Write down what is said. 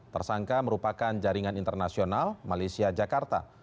tersangka merupakan jaringan internasional malaysia jakarta